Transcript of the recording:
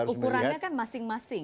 ukurannya kan masing masing